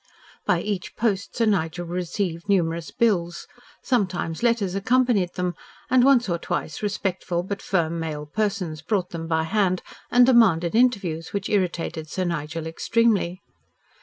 By each post Sir Nigel received numerous bills. Sometimes letters accompanied them, and once or twice respectful but firm male persons brought them by hand and demanded interviews which irritated Sir Nigel extremely.